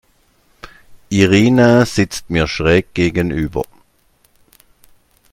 Irina sitzt mir schräg gegenüber.